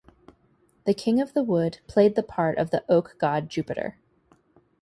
The King of the Wood played the part of the oak god Jupiter.